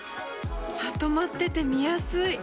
まとまってて見やすい！